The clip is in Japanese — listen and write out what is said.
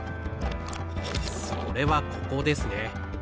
それはここですね。